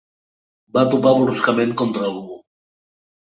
Va a topar bruscament contra algú.